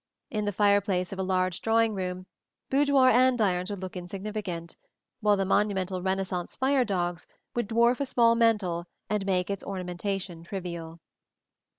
In the fireplace of a large drawing room, boudoir andirons would look insignificant; while the monumental Renaissance fire dogs would dwarf a small mantel and make its ornamentation trivial.